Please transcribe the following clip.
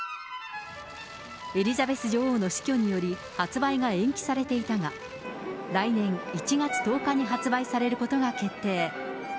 エリザベス女王の死去により発売が延期されていたが、来年１月１０日に発売されることが決定。